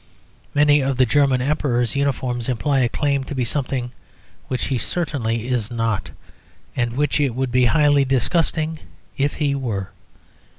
Many of the German Emperor's uniforms imply a claim to be something which he certainly is not and which it would be highly disgusting if he were.